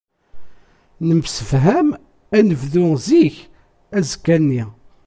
Nemsefham ad nebdu zik azekka-nni.